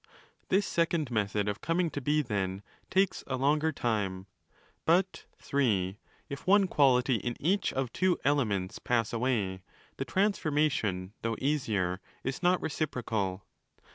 This second method of coming to be, then, takes a longer time. But (iii) if one quality in each of two ' elements' pass away, the transformation, though easier, is not re ciprocal.